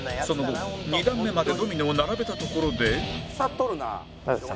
その後２段目までドミノを並べたところで